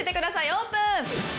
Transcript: オープン！